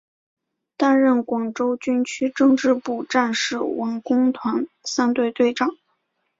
担任广州军区政治部战士文工团三队队长。